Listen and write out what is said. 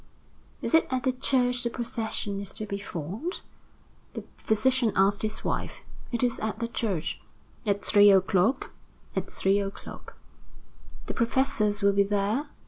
"Is it at the church the procession is to be formed?" the physician asked his wife. "It is at the church." "At three o'clock?" "At three o'clock." "The professors will be there?"